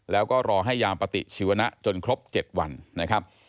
แล้วก็รอให้ยามปฏิชีวนะจนครบ๗วันนะครับ